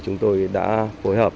chúng tôi đã phối hợp